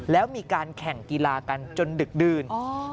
แล้วมีการแข่งกีฬากันจนดึกดื่น